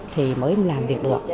thì mới làm việc được